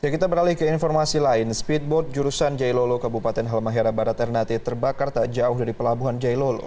kita beralih ke informasi lain speedboat jurusan jailolo kabupaten halmahera barat ternate terbakar tak jauh dari pelabuhan jailolo